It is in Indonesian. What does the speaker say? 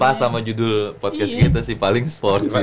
pas sama judul podcast gitu sih paling sport